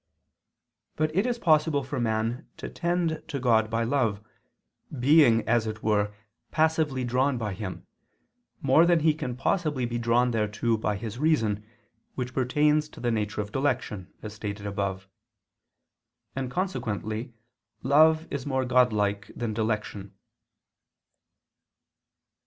But it is possible for man to tend to God by love, being as it were passively drawn by Him, more than he can possibly be drawn thereto by his reason, which pertains to the nature of dilection, as stated above. And consequently love is more Godlike than dilection.